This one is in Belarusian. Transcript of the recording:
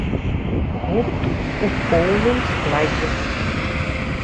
Гурт у поўным складзе.